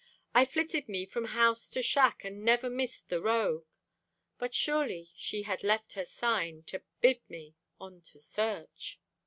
I flitted me from house to shack, And ever missed the rogue; But surely she had left her sign To bid me on to search.